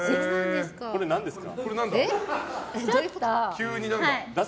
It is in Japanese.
これ何ですか？